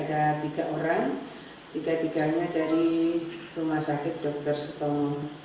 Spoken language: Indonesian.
ada tiga orang tiga tiganya dari rumah sakit dr sutomo